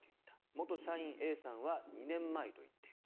元社員Ａさんは２年前と言っている。